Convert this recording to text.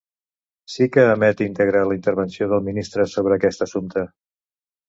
Sí que emet íntegra la intervenció del ministre sobre aquest assumpte.